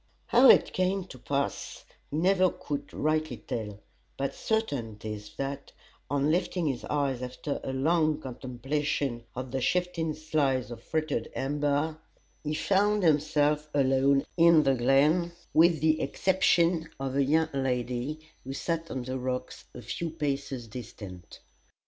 How it came to pass he never could rightly tell, but certain it is that, on lifting his eyes after a long contemplation of the shifting slides of fretted amber, he found himself alone in the glen with the exception of a young lady who sat on the rocks a few paces distant.